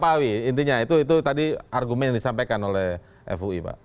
pak awi intinya itu tadi argumen yang disampaikan oleh fui pak